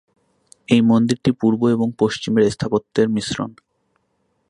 এই মন্দিরটি পূর্ব এবং পশ্চিমের স্থাপত্যের মিশ্রণ।